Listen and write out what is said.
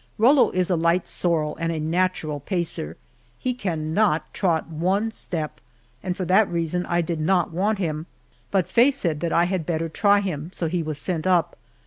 Rollo is a light sorrel and a natural pacer; he cannot trot one step, and for that reason I did not want him, but Faye said that I had better try him, so he was sent up.